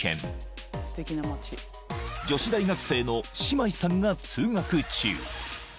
［女子大学生のシマイさんが通学中］